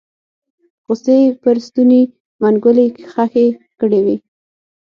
غصې يې پر ستوني منګولې خښې کړې وې